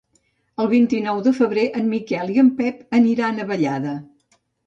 El vint-i-nou de febrer en Miquel i en Pep aniran a Vallada.